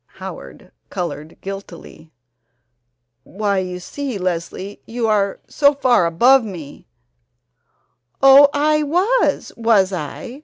Howard colored guiltily: "Why, you see, Leslie, you are so far above me " "Oh, I was, was I?